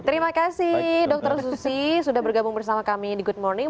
terima kasih dr susi sudah bergabung bersama kami di good morning